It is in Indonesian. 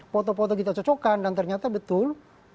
foto foto kita cocokkan dan ternyata betul